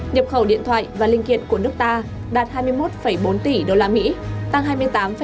nhập khẩu điện thoại và linh kiện của nước ta đạt hai mươi một bốn tỷ usd tăng hai mươi tám tám so với năm hai nghìn hai mươi hai